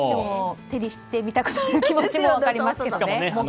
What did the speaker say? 手にしてみたくなる気持ちも分かりますけどね。